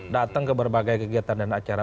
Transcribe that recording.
datang ke berbagai kegiatan dan acara